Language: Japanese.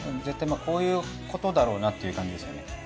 絶対こういうことだろうなっていう感じですよね。